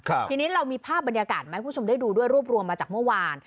ทีนี้เรามีภาพบรรยากาศมาให้คุณผู้ชมได้ดูด้วยรวบรวมมาจากเมื่อวาน